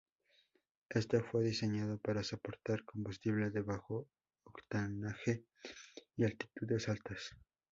Este fue diseñado para soportar combustible de bajo octanaje y altitudes altas.